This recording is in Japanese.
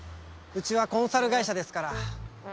うちはコンサル会社ですから。